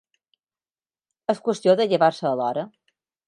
És qüestió de llevar-se a l'hora.